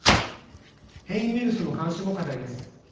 変異ウイルスの監視も課題です。